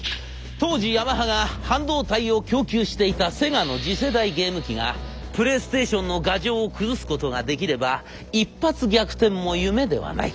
当時ヤマハが半導体を供給していたセガの次世代ゲーム機がプレイステーションの牙城を崩すことができれば一発逆転も夢ではない！